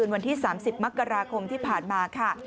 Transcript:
วันที่๓๐มกราคมที่ผ่านมาค่ะ